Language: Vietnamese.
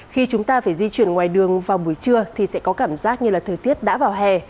khi chúng ta phải di chuyển ngoài đường vào buổi trưa thì sẽ có cảm giác như là thời tiết đã vào hè